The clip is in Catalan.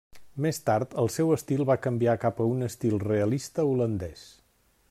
Més tard, el seu estil va canviar cap a un estil realista holandès.